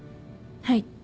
はい。